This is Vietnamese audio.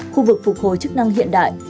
khu vực phục hồi chức năng hiện đại